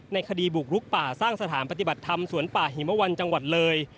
คดีบุกลุกป่าสร้างสถานปฏิบัติธรรมสวนป่าหิมวันจังหวัดเลย